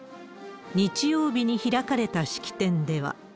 日曜日に開かれた式典では。